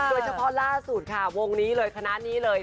โดยเฉพาะล่าสุดค่ะวงนี้เลยคณะนี้เลย